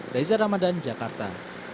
daiza ramadan jakarta